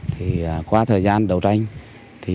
vì vậy qua thời gian đấu tranh